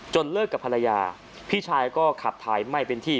เลิกกับภรรยาพี่ชายก็ขับถ่ายไม่เป็นที่